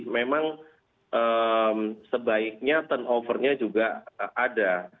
memang sebaiknya turnover nya juga ada